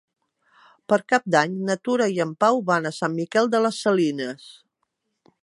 Per Cap d'Any na Tura i en Pau van a Sant Miquel de les Salines.